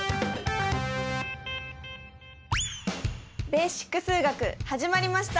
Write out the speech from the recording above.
「ベーシック数学」始まりました！